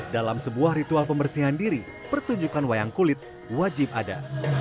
dalam sebuah ritual pembersihan diri pertunjukan wayang kulit wajib ada